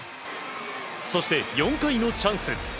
そして４回のチャンス。